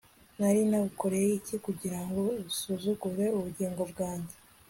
nari nagukoreye iki kugirango usuzugure ubugingo bwanjye